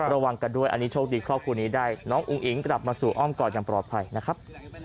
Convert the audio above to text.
ระวังกันด้วยอันนี้โชคดีครอบครัวนี้ได้น้องอุ้งอิงกลับมาสู่อ้อมก่อนอย่างปลอดภัยนะครับ